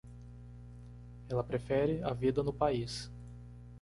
Ela prefere a vida no país.